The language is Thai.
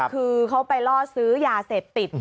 คือเขาไปล่อซื้อยาเสพติด